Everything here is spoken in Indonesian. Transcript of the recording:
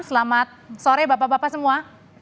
selamat sore bapak bapak semua